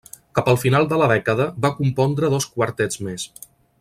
Cap al final de la dècada va compondre dos quartets més.